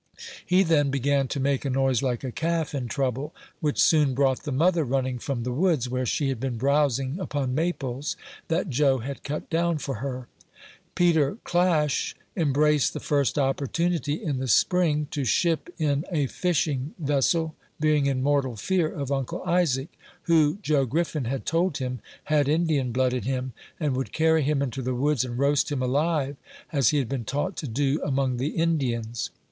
He then began to make a noise like a calf in trouble, which soon brought the mother running from the woods, where she had been browsing upon maples that Joe had cut down for her. Peter Clash embraced the first opportunity in the spring to ship in a fishing vessel, being in mortal fear of Uncle Isaac, who, Joe Griffin had told him, had Indian blood in him, and would carry him into the woods and roast him alive, as he had been taught to do among the Indians.